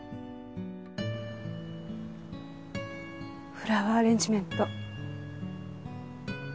フラワーアレンジメント。